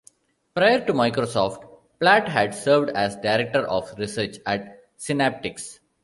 Prior to Microsoft, Platt had served as Director of Research at Synaptics.